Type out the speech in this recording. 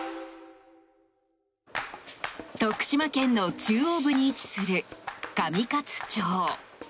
徳島県の中央部に位置する上勝町。